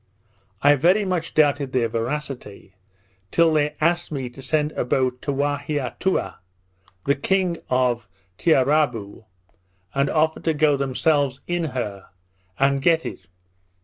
I very much doubted their veracity, till they asked me to send a boat to Waheatoua, the king of Tiarabou, and offered to go themselves in her, and get it.